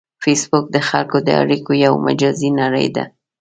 فېسبوک د خلکو د اړیکو یو مجازی نړۍ ده